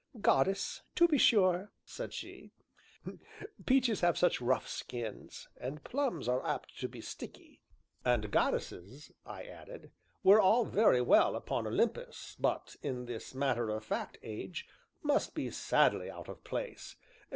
"Goddess, to be sure," said she; "peaches have such rough skins, and plums are apt to be sticky." "And goddesses," I added, "were all very well upon Olympus, but, in this matter of fact age, must be sadly out of place.